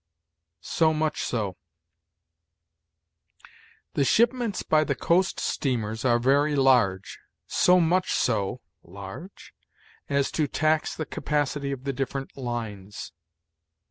SO MUCH SO. "The shipments by the coast steamers are very large, so much so [large?] as to tax the capacity of the different lines."